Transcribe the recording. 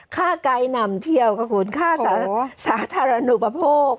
ค่าไกลนำเที่ยวค่าสาธารณูปโภค